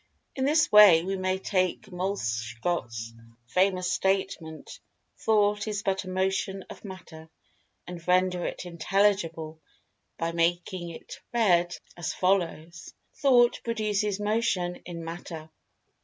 In this way, we may take Moleschott's famous statement: "Thought is but a motion of Matter," and render it intelligible by making it read as follows: "Thought produces Motion in Matter."